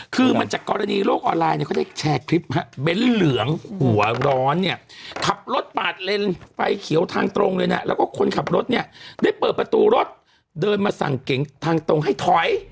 คือมันจากกรณีโลกออนไลน์เนี่ยเขาได้แชร์คลิปฮะเบ้นเหลืองหัวร้อนเนี่ยขับรถปาดเลนไฟเขียวทางตรงเลยนะแล้วก็คนขับรถเนี่ยได้เปิดประตูรถเดินมาสั่งเก๋งทางตรงให้ถอย